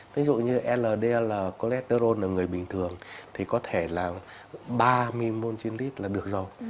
ví dụ như ldl cholesterol ở người bình thường thì có thể là ba milimol trên lít là được rồi